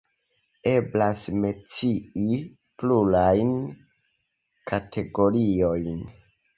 Eblas mencii plurajn kategoriojn.